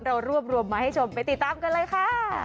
เรารวบรวมมาให้ชมไปติดตามกันเลยค่ะ